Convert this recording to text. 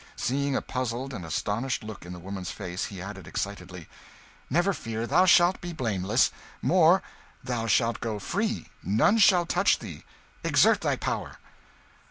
Seeing a puzzled and astonished look in the woman's face, he added, excitedly "Never fear thou shalt be blameless. More thou shalt go free none shall touch thee. Exert thy power."